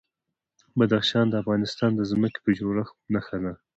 بدخشان د افغانستان د ځمکې د جوړښت نښه ده.